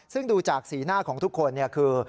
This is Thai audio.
ซึ่งดูจากสีหน้าของทุกคนคือ